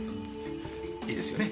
いいですよね？